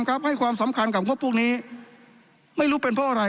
ให้ความสำคัญกับงบพวกนี้ไม่รู้เป็นเพราะอะไร